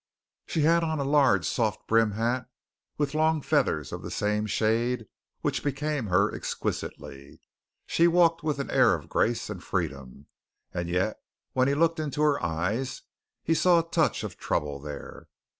She had on a large soft brimmed hat with long feathers of the same shade which became her exquisitely. She walked with an air of grace and freedom, and yet when he looked into her eyes, he saw a touch of trouble there.